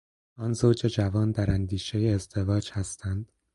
آن زوج جوان در اندیشهی ازدواج هستند.